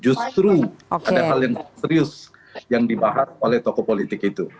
lakukan secara tertutup justru ada hal yang serius yang dibahas oleh tokoh politik itu